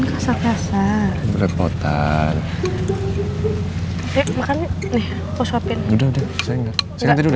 kalo dia berani saya akan tinggal dengan dia